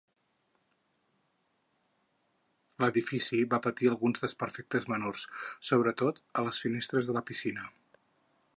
L'edifici va patir alguns desperfectes menors, sobretot a les finestres de la piscina.